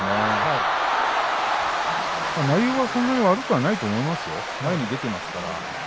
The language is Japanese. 内容はそんなに悪くないと思いますよ、前に出ていますから。